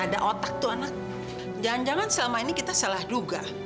ada otak tuh anak jangan jangan selama ini kita salah duga